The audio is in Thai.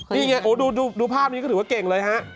นี่ไงโอ้ดูภาพนี้ก็ถือว่าเก่งเลยฮะ